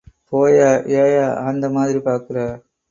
போய்யா... ஏய்யா... ஆந்தை மாதிரி பார்க்கறே?